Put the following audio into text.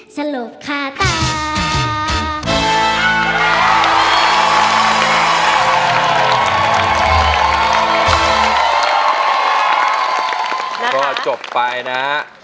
สลบค่าตา